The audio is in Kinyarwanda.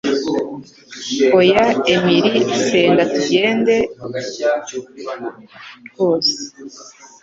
Oya, Emily; senga ntugende rwose